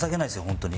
本当に。